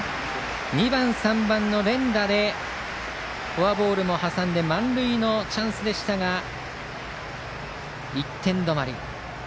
２番、３番の連打でフォアボールも挟み満塁のチャンスでしたが１点どまり。